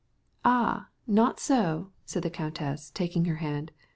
"Oh, no," said the countess, taking her hand.